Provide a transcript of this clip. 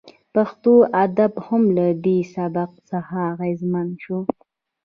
پښتو ادب هم له دې سبک څخه اغیزمن شو